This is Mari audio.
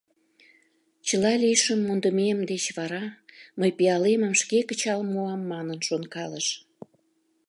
Чыла лийшым мондымем деч вара мый пиалемым шке кычал муам манын шонкалыш.